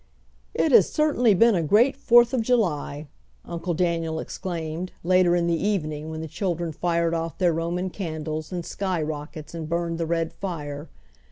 "It has certainly been a great Fourth of July!" Uncle Daniel exclaimed, later in the evening when the children fired off their Roman candles and sky rockets and burned the red fire.